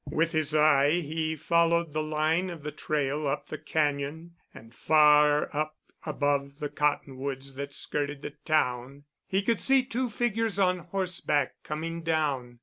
With his eye he followed the line of the trail up the cañon, and far up above the cottonwoods that skirted the town he could see two figures on horseback coming down.